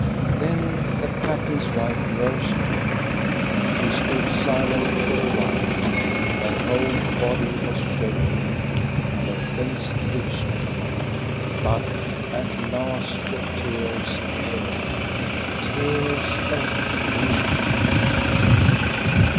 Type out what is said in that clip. Then the captain's wife rose too. She stood silent for a while; her whole body was shaking, and her face twitched, but at last the tears came, — tears of grief.